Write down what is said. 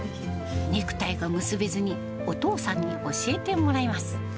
ネクタイが結べずに、お父さんに教えてもらいます。